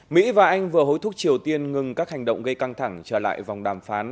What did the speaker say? mỹ và anh vừa hối thúc triều tiên ngừng các hành động gây căng thẳng trở lại vòng đàm phán